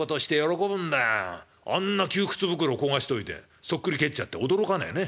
あんな窮屈袋焦がしといて反っくり返っちゃって驚かねえね。